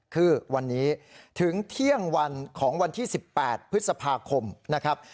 คือวันนี้ถึงเที่ยงวันของวันที่๑๘พฤษภาคมนะครับ